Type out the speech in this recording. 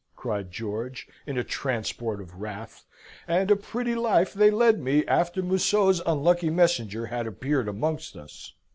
cried George, in a transport of wrath, "and a pretty life they led me after Museau's unlucky messenger had appeared amongst us!